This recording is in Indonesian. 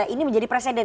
ini menjadi presiden